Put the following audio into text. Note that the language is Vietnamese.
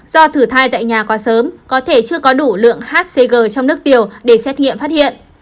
do thử thai tại nhà quá sớm có thể chưa có đủ lượng hcg trong nước tiểu để xét nghiệm phát hiện